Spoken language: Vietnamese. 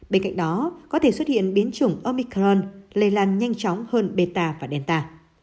bên cạnh đó có thể xuất hiện biến chủng omicron lây lan nhanh chóng hơn meta và delta